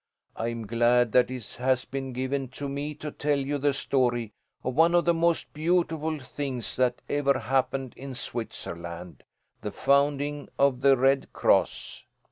I am glad that it has been given to me to tell you the story of one of the most beautiful things that ever happened in Switzerland the founding of the Red Cross.